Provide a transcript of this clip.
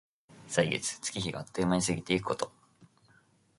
歳月、月日があっという間に過ぎてゆくこと。